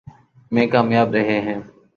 میں کامیاب رہے ہیں۔